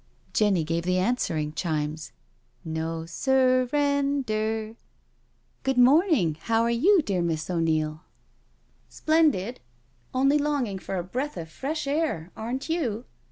Jenny gave the answering chimes : "No sur ren derl Good morning. How are you, dear Miss O'Neil?" '* Splendid — only longing for a breath of fresh air, aren't you?"